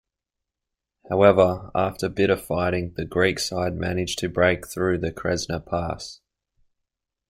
However, after bitter fighting the Greek side managed to break through the Kresna pass.